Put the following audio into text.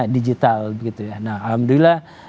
digital gitu ya alhamdulillah